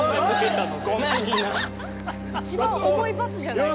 一番重い罰じゃない？